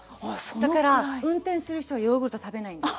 だから運転する人はヨーグルト食べないんです。